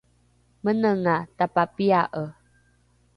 menenga tapapia’e